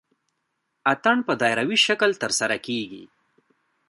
اتن په دایروي شکل ترسره کیږي.